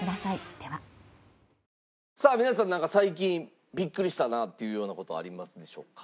さあ皆さんなんか最近ビックリしたなっていうような事ありますでしょうか？